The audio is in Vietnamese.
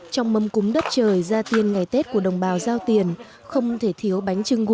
trong mâm cúm đất trời ra tiên ngày tết của đồng bào giao tiền không thể thiếu bánh trưng gù